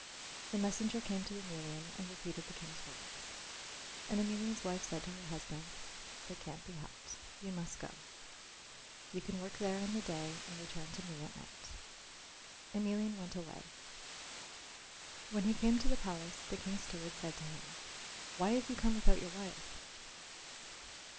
The messenger came to Emelian and repeated the King's words. And Emelian's wife said to her husband, "It can't be helped; you must go. You can work there in the day and return to me at night." Emelian went away. When he came to the palace the King's steward said to him, "Why have you come without your wife?"